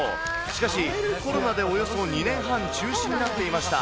しかし、コロナでおよそ２年半中止になっていました。